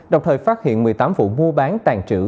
đồng thời phát hiện một mươi tám vụ mua bán tàn trữ